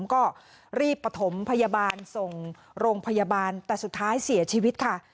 ก็รีบประถมพยาบาลส่งโรงพยาบาลแต่สุดท้ายเสียชีวิตค่ะ